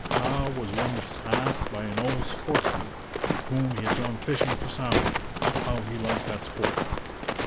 Howe was once asked by an old sportsman, with whom he had gone fishing for salmon, how he liked that sport.